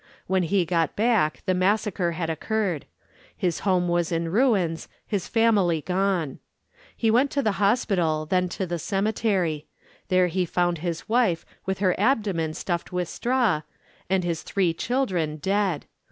When he got back the massacre had occurred. His home was in ruins, his family gone. He went to the hospital, then to the cemetery. There he found his wife with her abdomen stuffed with straw, and his three children dead.